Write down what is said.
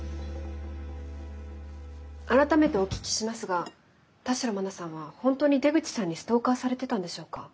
改めてお聞きしますが田代真菜さんは本当に出口さんにストーカーされてたんでしょうか？